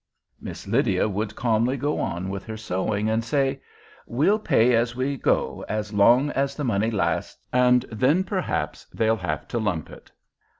Miss Lydia would calmly go on with her sewing and say, "We'll pay as we go as long as the money lasts, and then perhaps they'll have to lump it."